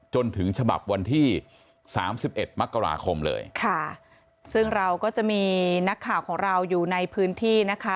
จนถึงฉบับวันที่สามสิบเอ็ดมกราคมเลยค่ะซึ่งเราก็จะมีนักข่าวของเราอยู่ในพื้นที่นะคะ